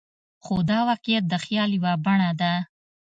خو دا واقعیت د خیال یوه بڼه ده.